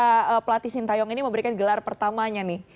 karena pelatih sintayong ini memberikan gelar pertamanya nih